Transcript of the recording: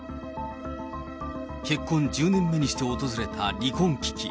結婚１０年目にして訪れた離婚危機。